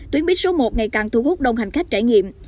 tuyến buýt số một ngày càng thu hút đông hành khách trải nghiệm